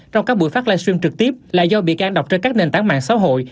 trong các buổi phát liv stream trực tiếp là do bị can đọc trên các nền tảng mạng xã hội